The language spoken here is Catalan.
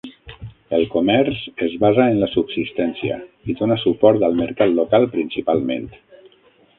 El comerç es basa en la subsistència i dona suport al mercat local principalment.